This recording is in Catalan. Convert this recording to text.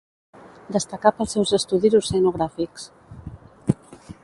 Destacà pels seus estudis oceanogràfics.